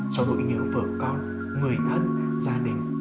sau nỗi nhớ vợ con người thân gia đình